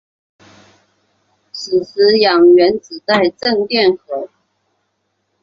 此时氧原子带正电荷。